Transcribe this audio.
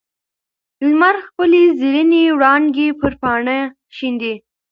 لمر خپلې زرینې وړانګې پر پاڼه شیندي.